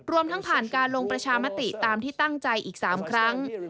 รวมทั้งผ่านการลงประชามติตามที่ตั้งใจอีก๓ครั้ง